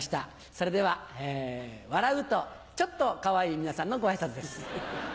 それでは笑うとちょっとかわいい皆さんのご挨拶です。